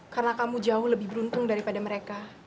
karena kamu jauh lebih beruntung daripada mereka